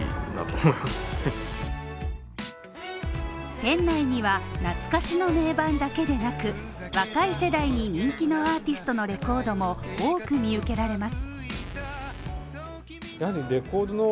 店内には、懐かしの名盤だけでなく、若い世代に人気のアーティストのレコードも多く見受けられます